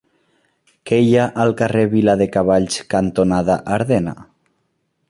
Què hi ha al carrer Viladecavalls cantonada Ardena?